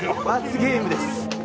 罰ゲームです。